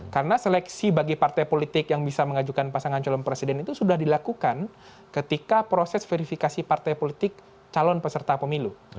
karena seleksi bagi partai politik yang bisa mengajukan pasangan calon presiden itu sudah dilakukan ketika proses verifikasi partai politik calon peserta pemilu